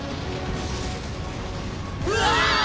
うわ！